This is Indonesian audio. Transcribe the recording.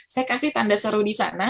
saya kasih tanda seru di sana